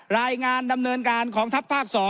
รายงานดำเนินการของทัพภาค๒